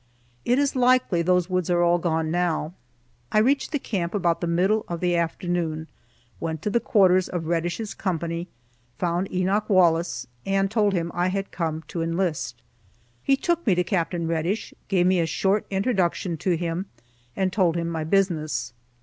It is likely those woods are all gone now. I reached the camp about the middle of the afternoon, went to the quarters of Reddish's company, found Enoch Wallace, and told him I had come to enlist. He took me to Capt. Reddish, gave me a short introduction to him, and told him my business.